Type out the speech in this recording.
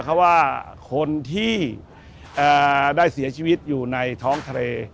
เพราะว่าคนที่ได้เสียชีวิตอยู่ในท้องทะเล